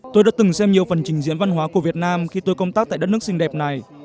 tôi đã từng xem nhiều phần trình diễn văn hóa của việt nam khi tôi công tác tại đất nước xinh đẹp này